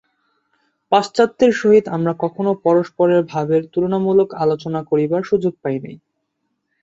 পাশ্চাত্যের সহিত আমরা কখনও পরস্পরের ভাবের তুলনামূলক আলোচনা করিবার সুযোগ পাই নাই।